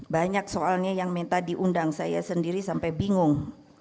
banyak soalnya yang minta diundang saya sendiri sampai bingung